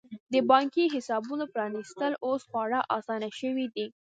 د بانکي حسابونو پرانیستل اوس خورا اسانه شوي دي.